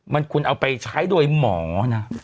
มันคุณเอาไปใช้โดยหมอนะ